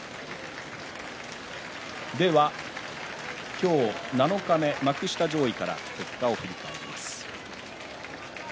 今日、七日目幕下上位から結果を振り返ります。